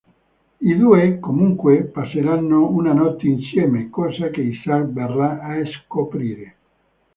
I due, comunque, passeranno una notte insieme, cosa che Isaac verrà a scoprire.